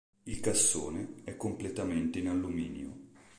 Il cassone è completamente in alluminio.